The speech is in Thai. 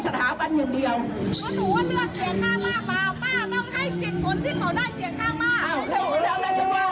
เราเรื่องสถาบันอย่างเดียว